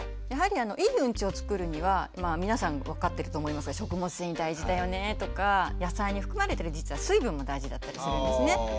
やはりいいウンチをつくるには皆さん分かってると思いますが食物繊維大事だよねとか野菜に含まれてる実は水分も大事だったりするんですね。